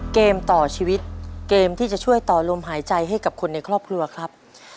เกมต่อชีวิตเกมที่จะช่วยต่อลมหายใจให้กับคนในครอบครัวครับ